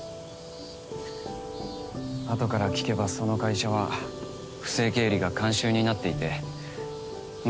後から聞けばその会社は不正経理が慣習になっていて運